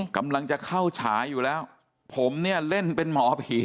กำลังจะเข้าฉายอยู่แล้วผมเนี่ยเล่นเป็นหมอผี